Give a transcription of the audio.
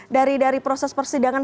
dari dari proses persidangan